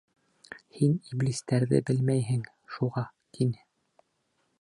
Һин иблистәрҙе белмәйһең, шуға, тине.